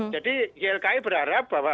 jadi ylki berharap bahwa